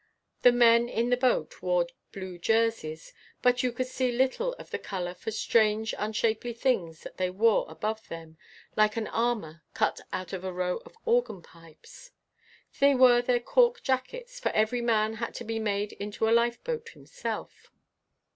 The men in the boat, wore blue jerseys, but you could see little of the colour for strange unshapely things that they wore above them, like an armour cut out of a row of organ pipes. They were their cork jackets; for every man had to be made into a life boat himself.